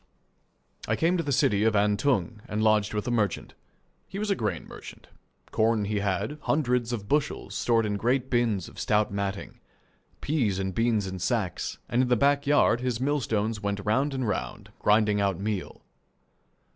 I came to the city of Antung, and lodged with a merchant. He was a grain merchant. Corn he had, hundreds of bushels, stored in great bins of stout matting; peas and beans in sacks, and in the back yard his millstones went round and round, grinding out meal.